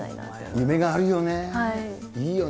夢があるよね。